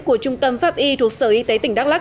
của trung tâm pháp y thuộc sở y tế tỉnh đắk lắc